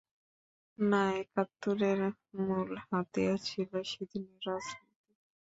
না, একাত্তরের মূল হাতিয়ার ছিল সেদিনের রাজনীতি।